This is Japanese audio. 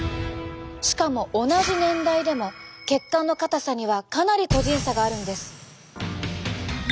しかも同じ年代でも血管の硬さにはかなり個人差があるんです。